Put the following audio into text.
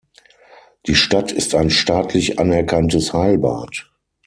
Die Stadt ist ein staatlich anerkanntes Heilbad.